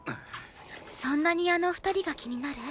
そんなにあの２人が気になる？